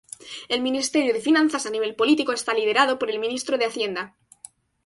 El Ministerio de Finanzas a nivel político está liderado por el Ministro de Hacienda.